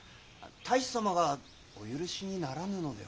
太守様がお許しにならぬのでは？